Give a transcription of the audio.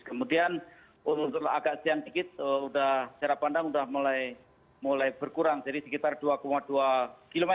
kemudian agak siang sedikit jarak pandang sudah mulai berkurang jadi sekitar dua dua km